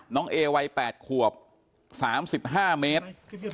น้องเอไว้๘ขวบ๓๕เมตร